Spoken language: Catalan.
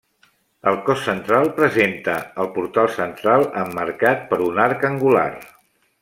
El cos central presenta el portal central emmarcat per un arc angular.